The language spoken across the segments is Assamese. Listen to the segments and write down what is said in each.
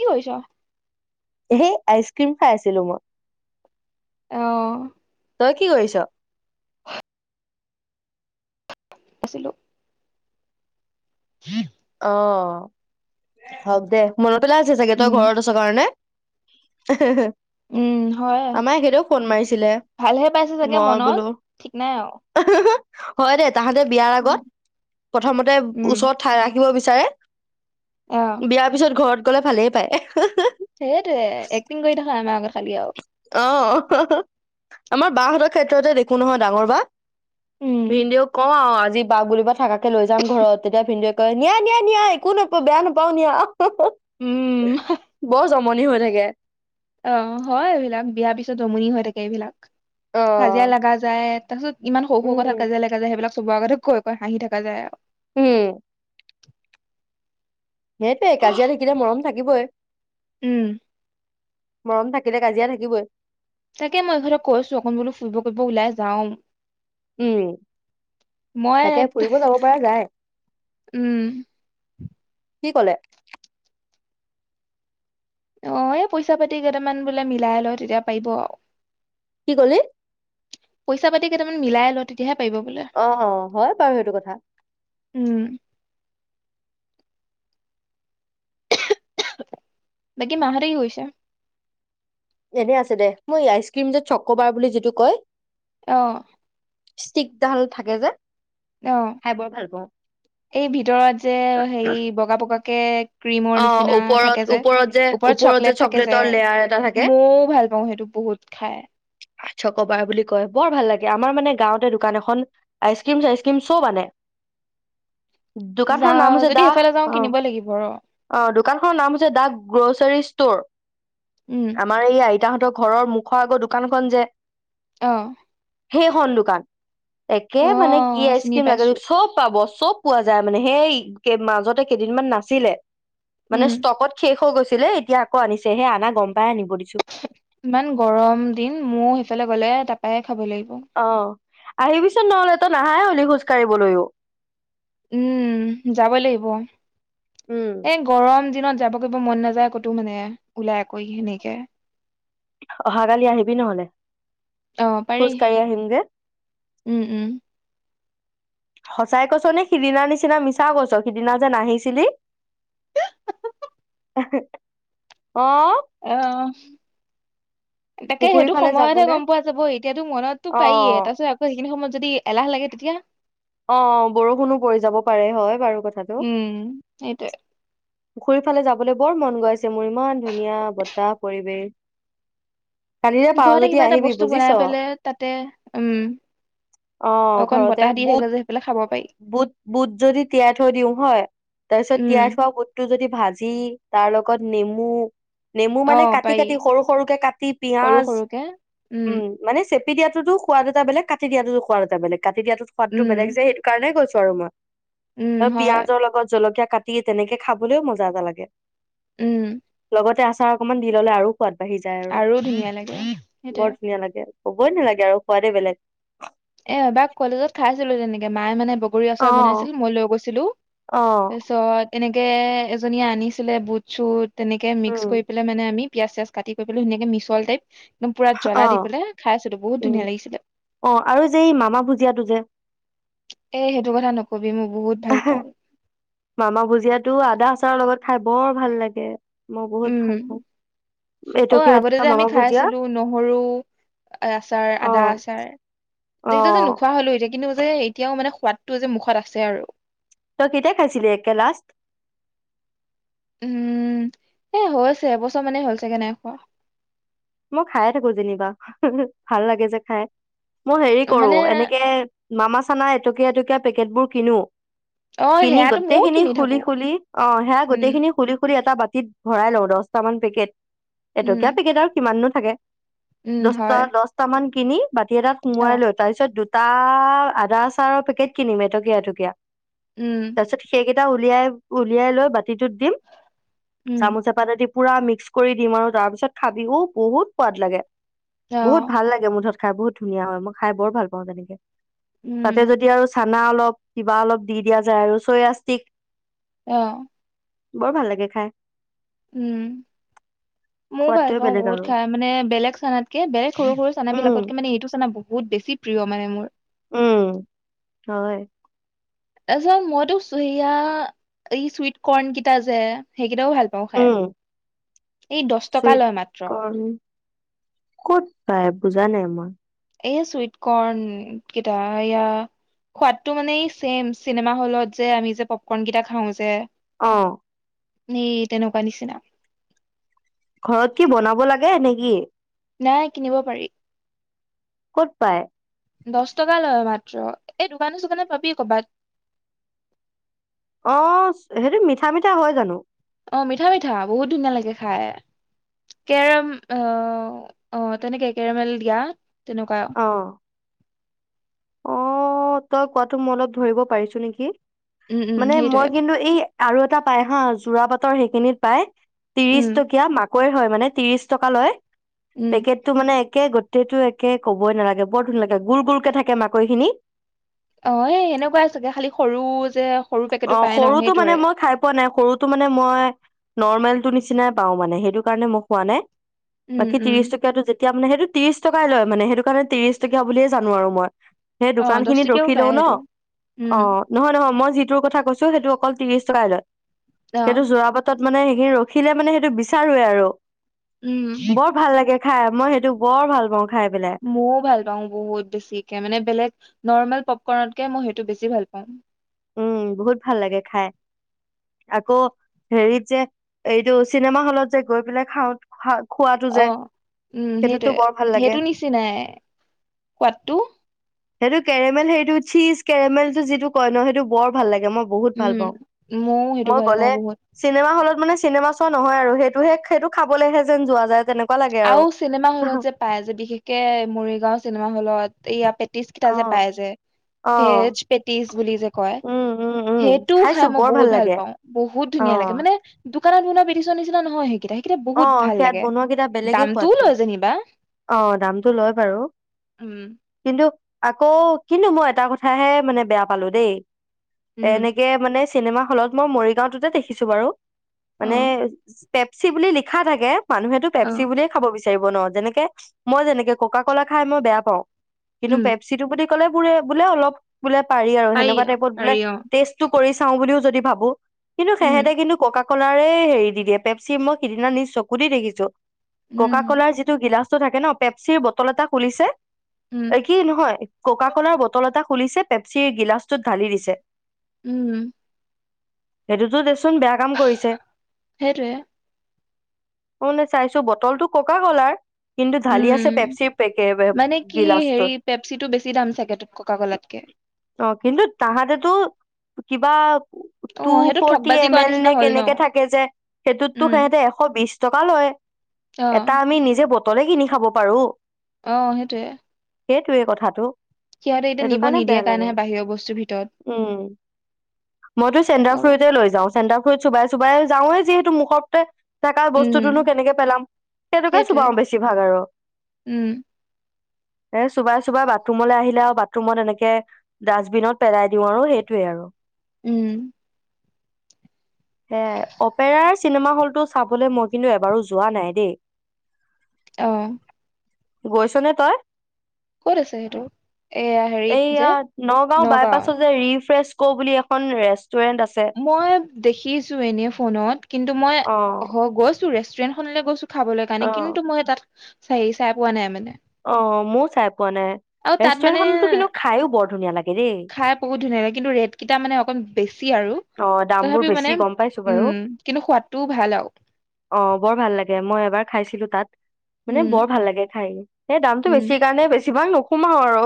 কি কৰিছ? হেই আইচক্ৰীম খাই আছিলো মই। অ'। তই কি কৰিছ? আছিলো। [inaudible] অ', হক দে মনত পেলাই আছে চাগে তই উম, ঘৰত আ'ছ কাৰণে উম, হয়। [inaudible] আমাৰ এখেতেও ফোন মাৰিছিলে ভালহে পাইছে চাগে মই মনত, বোলো ওহু। ঠিক নাই আৰু। হয় দে। তাহাতে বিয়াৰ উম, আগত প্ৰথমতে উম, ওচৰত ঠাই ৰাখি দিব বিচাৰে। অ', বিয়াৰ পিছত ঘৰত ক'লে ভালেই পায়। সেইটোৱে এক্টিং কৰি থাকা আমাৰ আগত খালি আৰু। অ', হ' হ। আমাৰ বাহতৰ ক্ষেত্ৰতে দেখো নহয় ডাঙৰ বা। উম, ভিনদেউক কওঁ আৰু আজ আজি বাক বুলিবা থাকাকে লৈ যাম ঘৰত তেতিয়া ভিন্দৌৱে কয় নিয়া, নিয়া, নিয়া একো নকও বেয়া নাপাও নিয়া অ'। হু হু উম, [inaudible] ব জমনি হৈ থাকে। অ', হয় এইবিলাক বিয়াৰ পিছত জমনি হৈ থাকে এইবিলাক। অ' কাজিয়া লাগা যায় তাৰপিছত ইমান সৰু সৰু কথাত উম কাজিয়া লগা যায় সেইবিলাক চবৰ আগতে কৈ কৈ হাঁহি থাকা যায় আৰু। উম। [inaudible] সেইটোৱে কাজিয়া থাকিলে মৰম থাকিবই। উম, মৰম থাকিলে কাজিয়া থাকিবই। তাকে মই ইহঁতক কৈছো অকণ বোলো ফুৰিব কৰিব ওলাই যাওঁ। উম [inaudible] মই তাকে ফুৰিব যাব পৰা যায়। উম, কি কলে? অ এই পইচা পাতি কেইটামান বোলে মিলাই লই তেতিয়া পাৰিব আৰু। কি কলি? পইচা পাতি কেইটামান মিলাই ল তেতিয়াহে পাৰিব বোলে অ অ হয় বাৰু সেইটো কথা। উম বাকী মাহতে কি কৰিছে? এনে আছে দে মই আইচ ক্ৰীম যেত চক্ৰবাৰ বুলি যিটো কয়। আহ। ষ্টিকডাল থাকে যে অ খাই বৰ ভাল পাওঁ এই ভিতৰত যে হেৰি বগা বগা। কেক, অ ওপৰত ওপৰত যে ওপৰত যে চকলেটৰ লেয়াৰ এটা থাকে মইও ভাল পাওঁ সেইটো বহুত খাই আছ কবাৰ বুলি কয় বৰ ভাল লাগে। আমাৰ মানে গাঁৱতে দোকান এখন আইচ ক্ৰীম চাইচ ক্ৰীম চব আনে। যা দোকানখনৰ নাম হৈছে যদি দা সেইফালে যাও অ কিনিবই লাগিব আৰু অ দোকানখনৰ নাম হৈছে দাক গ্ৰচাৰী। ষ্টৰ। উম আমাৰ এই আই তাহঁতৰ ঘৰৰ মুখৰ আগৰ দোকানখন যে আহ। সেইখন দোকান। একে মানে কি আইচ চিনি ক্ৰীম লাগে পাইছো চব পা বস্তু। চব পোৱা যায় মানে সেই মাজতে কেইদিনমান নাছিলে। মানে উম ষ্টকত শেষ হৈ গৈছে। আছিলে এতিয়া আকৌ আনিছেহে আনা গম পাই আনিব দিছো ইমান গৰম দিন মোৰ সেইফালে গলে তাৰাপাই খাব লাগিব। অ আহিবিচোন নহ'লেটো নাহাই হ'লি খোজ কাঢ়িবলৈও। উম যাব লাগিব। উম এ গৰম দিনত যাব গ মন নাযায় ক'তো মানে ওলাই আকৈ সেনেকে। অহাকালি আহিবি নহলে অ খোজ পাৰি কাঢ়ি আহিম যে উম উম। সঁচাই কৈছ নে সিদিনা নিচিনা মিছা কৈছ সিদিনা যে নাহিছিলি। অ আহ। তাকে পুখুৰী সেইটো ফালে সময়তহে যাবলে গম পোৱা যাব। এতিয়াতো মনততো অ পাৰিয়ে, তাৰ পিছত আকৌ সেইখিনি সময়ত যদি এলাহ লাগে তেতিয়া অ' বৰষুণো পৰি যাব পাৰে হয় বাৰু। কথাটো উম, সেইটোৱে। পুখুৰীৰ ফালে যাবলৈ বৰ মন গৈ আছে মোৰ, ইমান ধুনীয়া বতাহ পৰিৱেশ। কালিলে পাৰ ঘৰতে যদি কিবা এটা আহিবি বস্তু বনাই বুজিছ। পেলাই তাতে উম অ' অকন ঘৰতে বতাহ দি থাকে যে বুট সেইফালে খাব পাৰি - বুট - বুট যদি তিয়াই থৈ দিও, হয়। তাৰপিছত তিয়াই উম থোৱা বুট যদি ভাজি, তাৰ লগত নেমু নেমু মানে অ' কাটি পাৰি কাটি সৰু সৰুকে কাটি সৰু পিয়াঁজ, সৰুকে উম ‌উম। মানে চে তি দিয়াতটো সোৱাদ এটা বেলেগ, কাটি দিয়াতটো সোৱাদ এটা বেলেগ। কাটি দিয়া টোত সোৱাদটো বেলেগ উম যে সেইটো কাৰণে কৈছো। [unintelligible] উম অ' হয় পিয়াজৰ লগত জলকীয়া কাটিয়ে তেনেকে খাবলৈও মজা এটা লাগে। উম। লগতে আচাৰ অকমান দি ল'লে আৰু সোৱাদ বাঢ়ি যায় আৰু, ধুনীয়া লাগে সেইটোয়ে বৰ ধুনীয়া লাগে। কবই নালাগে আৰু সোৱাদে বেলেগ। এ‌ - এবাৰ কলেজত খাইছিলো তেনেকে, মায়ে মানে বগৰী আচাৰ অ', বনাইছিল মই লৈ গৈছিলো, অ', তাৰপিছত এনেকে এজনীয়ে আনিছিলে বুট চুট তেনেকে উম, মিক্স কৰি পেলাই মানে আমি পিয়াজ চিয়াজ কাটি কৰি পেলে ধুনীয়াক মিছল টাইপ একদম পুৰা জ্বলা দি অ', পেলাই খাইছিলো, বহুত উম, ধুনীয়া লাগিছিলে। অ', আৰু যে এই মামা ভুজিয়াটো যে এই সেইটোৰ কথা নক মামা ভুজিয়াটো আদা আছ তাৰ লগত খাই বৰ ভাল লাগে। মই বহুত উম। ভাল পাওঁ এইটো অ' কি আগতে যে আমি মামা ভুজিয়া খাইছিলো নহৰু আচাৰ, অ', আদা আচাৰ এইগিটা যে অ', নোখোৱা হ'লো কিন্তু যে এতিয়াও মানে সোৱাদটো যে মুখত আছে আৰু। তই কেতিয়া খাইছিলি একে লাষ্ট? উম, এ হৈছে এবছৰ মানেই হল চাগে নাই খোৱা। মই খায়ে থাকো যেনিবা, ভাল লাগে যে খায়। মই হেৰি কৰো মানে এনেকে মামা চানা এটকীয়া এটকীয়া পেকেট বোৰ কিনো। অ কিনি সেয়াতো গোটেই ময়ও খিনি কিনি থাকো খুলি খুলি অ সেয়া উম গোটেই খিনি খুলি খুলি এটা বা। ৰাতিত ভৰাই লওঁ দহটাামান পেকেট। এইটো উম কিয় পেকেট আৰু। মানুহ থাকে। উম দহটা হয় দহটা মান। কিনি। বাতি এটাত অ সোমোৱাই লৈ তাৰপিছত। তাৰ আদা চাৰৰ পেকেট কিনিম এটকীয়া এটকীয়া। উম তাৰ পিছত শেই গি। এটা উলিয়াই উলিয়াই লৈ বা। টোত দিম। উম চামুচ এপাতেদি। পুৰা মিক্স কৰি দিম আৰু তাৰ পিছত খাবিও। বহুত সোৱাদ লাগে। বহুত অ', ভাল লাগে মুঠত। খাই বহুত ধুনীয়া হয়। মই খাই বৰ ভাল পাওঁ তেনেকে। উম, তাতে যদি আৰু চা। না অলপ কিবা অলপ দি দিয়া যায় আৰু চৈয়া চিক। অ। বৰ ভাল লাগে খাই। উমম। মও ভাল সোৱাদটোৱে পাওঁ বেলেগ বহুত আৰু খাই। মানে বেলেগ চানাতক কে বেলেগ সৰু সৰু চানা বিলাকতক উম কে মানে এইটো চানা। বহুত বেছি প্ৰিয় মানে মোৰ। উম, হয়। তাৰপিছত মইটো সেয়াআ এই চুইট কৰ্ণ কিটা যে। সেইকেইটাও ভাল পাওঁ খাই। উম। এই দহ টকা চুইট লয় মাত্ৰ কৰ্ণ, ক'ত পায় বুজা নাই মই। উম এইয়া চুইট কৰ্ণ কেইটা, এয়া সোৱাদটো মানে ছেম চিনেমা হলত যে আমি যে পপকৰ্ণ কেইটা খাওঁ যে। অ। নেই তেনেকুৱা নিচিনা। ঘৰত কি বনাব লাগে নে কি? নাই কিনিব পাৰি। ক'ত পায়? দহ টকা লয় মাত্ৰ এই দোকানে চোকানে পাবি কৰবাত। অ' সেইটো মিঠা মিঠা হয় জানো? অ মিঠা মিঠা বহুত ধুনীয়া লাগে। খাই কেৰম অঅ তেনেকে কেৰমেল দিয়া। তেনেকুৱা। অ অ' তই কোৱাটো মই অলপ ধৰিব পাৰিছো নেকি? উম, উম, মানে মই সেইটোৱে কিন্তু এই। আৰু এটা পায় হা যোৰা বাটৰ সেইখিনিত পায়। তিৰিচ উম, টকীয়া মাক হয়, হয়, মানে ত্ৰিশ টকা লয়। উম, পেকেটটো মানে একে গোটেটো একে ক'বই নালাগে বৰ [unintelligible] লাগে গুল গুলকে থাকে [unintelligible] কৈখিনি অ', এই এনেকুৱাই চাগে খালি সৰু যে সৰু অ পেকেটটো পায় ন' সৰুটো মানে সেইটোৰে। মই খাই পোৱা নাই টো নিচিনাই পাওঁ মানে সেইটো কাৰণে মই খোৱা নাই। উম, বাকী উম, ত্ৰিশ টকীয়াটো যেতিয়া এতিয়া মানে সেইটো ত্ৰিশ টকাই লয় মানে সেইটো কাৰণে ত্ৰিশ টকীয়া বুলিয়ে জানো আৰু মই। সেই দোকান অ', দহ খিনিত টকীয়াও ৰখি পায় লওঁ ন' সেইটো উম, অ', নহয়, নহয় মই। যিটোৰ কথা কৈছো সেইটো অকল ত্ৰিশ টকাই লয়। সেইটো অ', যোৰাবাটত মানে সেইখিনি ৰখিলে মানে সেইটো বিচাৰোৱে আৰু। উম, বৰ ভাল লাগে। খাই মই সেইটো বৰ ভাল পাওঁ। খাই পেলাই মও ভাল পাওঁ বহুত বেছিকে মানে বেলেগ নৰ্মেল প'পকৰ্ণতকে মই সেইটো বেছি ভাল পাওঁ। উম, বহুত ভাল লাগে খাই আকৌ হেৰিত যে এইটো চিনেমা হ'লত যে গৈ পেলাই খাওঁ খ অ', উম, সেইটোৱে ভাল লাগে সেইটো নিচিনাই সোৱাদটো। সেইটো কেৰেমেল হেইটো চিজ কেৰেমেল টো যিটো কয় নহ টো বৰ ভাল লাগে। মই বহুত ভাল উম, পাওঁ ময়ও সেইটো মই ভাল পাওঁ গলে বহুত চিনেমা হ'লত মানে চিনেমা চোৱা নহয় আৰু সেইটোহে সেইটো খাবলেহে যেন যোৱা যায় তেনেকুৱ আৰু চিনেমা হ'লত যে পাই যে বিশেষকে মৰিগাওঁ চিনেমা হ'লত য়া পে টিচ কিটা যে অ', পায় যে অ', ভেজ পেটিচ বুলি যে কয় উম, উম, উম, সেইটোও খাইছো খাই মই বৰ বহুত ভাল লাগে। পাওঁ বহুত ধুনীয়া লাগে অ', মানে। দোকানত বনোৱা পেটিচৰ নিচিনা নহয় সেইকেইটা। সেইকেইটা বহুত অ', ভাল সেয়াত লাগে বনোৱা কেইটা বেলেগে দামটোও সোৱাদটো লয় যেনিবা অ', দামটো লয় বাৰু উম কিন্তু আকৌ কিন্তু মই এটা কথাহে মানে বেয়া পালো দেই। উম এনেকে মানে চিনেমা হলত মৰিগাওঁটোতে দেখিছো বাৰু অ মানে পেপছি বুলি লিখি। লিখা থাকে। মানুহেতো অ পেপচি বুলিয়ে খাব। বিচাৰিব ন যেনেকে মই যেনেকে ককা ক'লা খাই মই বেয়া পাও। কিন্তু উম পেপচিটো বুলি কলে বুৰে বোলে অলপ বোলে পাৰি আৰু সেনেকুৱা অ টাইপত বোলে পাৰি অ টেষ্ট টো কৰি চাওঁ বুলিও যদি ভাবো কিন্তু উম সেহেঁতে কিন্তু ককাক কলাৰে হেৰি দি দিয়ে পেপচি মই সিদিনা নিজ চকু দি দেখিছো। ককা উম কলাৰ যিটো গিলাচ থাকে ন পেপচিৰ বটল এটা খুলিছে। উম এ কি নহয় ককা কলাৰ বটল এটা খুলিছে পেপচিৰ গিলাচটোত ঢালি দিছে। উম। সেইটো তো দে চোন বেয়া কাম কৰিছে। সেইটোৱে অনে চাইছো বটলটো ককা কলাৰ। কিন্তু ঢালি উম আছে পেপচিৰ পেকে মানে কি হেৰি গিলাচটোত পেপচিটো বেছি দাম চাগে ককা কলাতকে অ কিন্তু তাহাঁতেতো। কিবা, অ টু সেইটো ফৰটি ঠগবাজি এম কৰা এল নিচিনা নে হ'ল ন কেনেকে থাকে যে সেইটোত। তো উম সেহঁতে এশ বিশ। টকা লয়। অ এটা আমি নিজে ব ত তলে কিনি খাব পাৰো। অ সেইটোৱে। সেইটোৱে কথাটো। সেইটো নিব কাৰণে নিদিয়ে বেয়া লাগে কাৰণেহে বাহিৰৰ বস্তুৰ ভিতৰত উম মইতো চেণ্ডাৰ অ ফ্ৰুতে লৈ যাও। চেন্তাৰফ্ৰুত চুবাই চুবাই যাওৱে যিহেতু মুখত থেকা বস্তুটোনো উম কেনেকে পেলাম তেনেকুৱাই সেইটোৱে চুবাও বেছিভাগ আৰু উম এ চোবাই চোবাই বাথৰুমলৈ আহিলে আৰু বাথৰুমত এনেকে ডাষ্টবিনত পেলাই দিও। আৰু সেইটোয়ে আৰু- উম। সে অপেৰাৰ চিনেমা হল। টো চাবলে মই কিন্তু এবাৰো যোৱা নাই দেই। আহ। গৈছনে তই? ক'ত আছে সেইটো এয়া হেৰিত যে এইয়া, নগাঁও নগাঁৱত বাইপাছত যে ৰিফ্ৰেচ, ক' বুলি এখন ৰেষ্ট, মই দেখিছো এনে ফোনত। কিন্তু মই, হে, অ', হ', গৈছো। ৰেষ্টুৰেণ্ট খনলে গৈছো। খাবলৈ কাৰণে, অ', কিন্তু মই তাত চাই, চায় পোৱা নাই মানে? অ, ময়ো চাই পোৱা নাই, আৰু তাত ৰেষ্টুৰেন্ট মানে খনতো কিন্তু খাইয়ো বৰ ধুনীয়া লাগে দেই। খাই বহুত ধুনীয়া লাগে কিন্তু ৰেট কেইটা মানে অকণ বেছি আৰু অ, ' দাম বোৰ তথাপিও মানে বেছি গম পাইছো বাৰু উম কিন্তু সোৱাদটোও ভাল আৰু অ', বৰ ভাল লাগে, মই এবাৰ খাইছিলো। তাত, মানে উম বৰ ভাল লাগে খাই। এই দামটো উম বেছি কাৰণে বেছি ভাগ নু, সোমাও আৰু,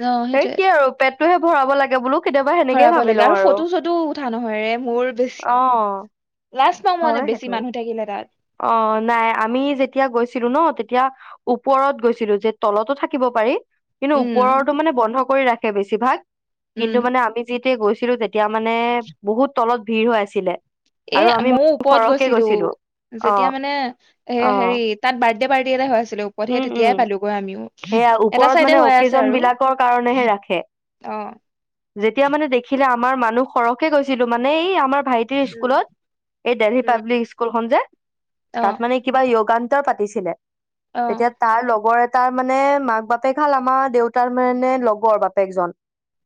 অ এই সেইটোয়ে কি আৰু পেট, পেটতোহে ভৰাব লাগে বোলো। কেতিয়াবা সেনেকেই ভৰাব ভাবি লাগে লওঁ আৰু। চটো ফটো উঠা নহয় ৰে মোৰ বেছি, অ', লাজ পাওঁ মানে হয় বেছি সেইটো। মানুহ থাকিলে, তাত অ', নাই আমি যেতিয়া গৈছিলো ন', তেতিয়া ওপৰত গৈছিলো যে, তলতো থাকিব পাৰি। কিন্তু উম ওপৰৰতো মানে বন্ধ, কৰি ৰাখে বেছিভাগ, উম কিন্তু মানে আমি যি, গৈছিলো তে, এতিয়া মানে বহুত তলত, - ভিৰ হৈ আছিলে। এ, আৰু আমি মইও ওপৰত সৰহকে গৈছিলো। অ যেতিয়া মানে এ অ হেৰি তাত, বাৰ্থদে- পাৰ্টি এটা হয় আছ, উম- উম সেয়া এটা ওপৰত চাইডে মানে হৈ আছে অকেজন আৰু বিলাকৰ কাৰণেহে ৰাখে। অ যেতিয়া মানে দেখিলে, আমাৰ মানুহ সৰহকে গৈছিলো, মানে এই আমাৰ ভাইটি স্কুলত এই দিল্লী উম উম পাব্লিক স্কুল খন যে, অ তাত মানে কিবা য়গান, তই পাতিছিলে, অ তেতিয়া তাৰ লগৰ এটা তাৰ মানে মাক বাপেক হল আমাৰ দেউতাৰ মানে লগৰ বাপেকজন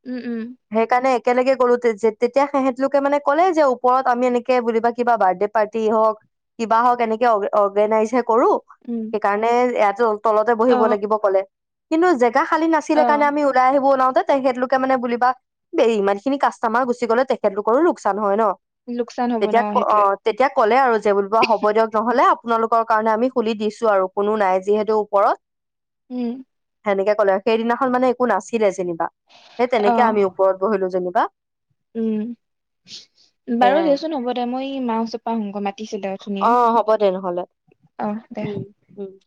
উম উম সেইকাৰণে একেলগে গ'লো তেতিয়া সিহঁতলোকে মানে ক'লে যে ওপৰত আমি এনেকে বুলে কিবা বাৰ্থডে পাৰ্টি হওক কিবা হওক এনেকে অৰ্গেনাইজ হে কৰো উম কাৰণে ইয়াতো তলতে অ বহিব লাগিব কলে কিন্তু যে খালী নাছিলে অ কাৰণে আমি ওলাই আহিবও নোৱাৰো তেখেতলোকে মানে বুলিবা ইমান খিনি কাষ্টমাৰ গুচি গ'লে তেখেতলোকৰো লোকচান হয় ন লোকচান হব ন তেতিয়া অ সেইটোৱে তেতিয়া ক'লে আৰু যে বোলিব হ'ব দিয়ক নহ'লে আপোনালোকৰ কাৰণে আমি খুলি দিছো আৰু কোনো নাই যিহেতু ওপৰত উম সেনেকে কলে সেইদিনা মানে একো নাছিলে যেনিবা সেই অ তেনেকে আমি ওপৰত বহিলো যেন ক [unintelligible] উম বাৰু সেয়াই দেচোন হ'ব দে মই এ মা ওচৰ পৰা আহোগে মাতিছিলে অথনিয়ে অ হ'ব দে নহ'লে অ দে উম উ [inaudible]